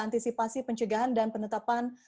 antisipasi pencegahan dan penetapan